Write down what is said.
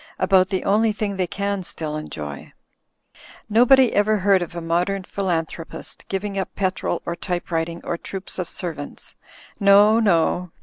About the only thing they can still enjoy. Nobody ever heard of a modem philanthropist giving up petrol or typewrit ing or troops of servants. No, no!